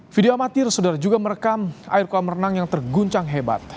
video amatir sudah juga merekam air kolam renang yang terguncang hebat